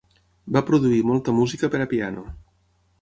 Va produir molta música per a piano.